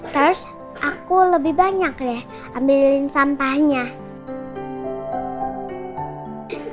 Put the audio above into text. terus aku lebih banyak ya ambil sampahnya di sekolah